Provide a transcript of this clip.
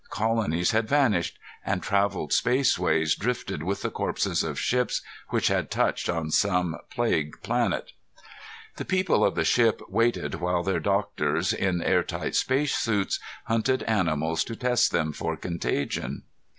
Colonies had vanished, and traveled spaceways drifted with the corpses of ships which had touched on some plague planet. The people of the ship waited while their doctors, in airtight spacesuits, hunted animals to test them for contagion.